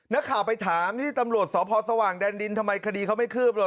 นักข่าวไปถามที่ตำรวจสพสว่างแดนดินทำไมคดีเขาไม่คืบเหรอ